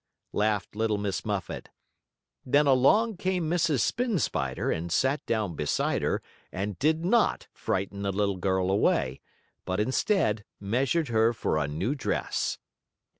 laughed Little Miss Muffet. Then along came Mrs. Spin Spider, and sat down beside her and did not frighten the little girl away, but, instead, measured her for a new dress.